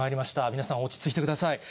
皆さん落ち着いてください。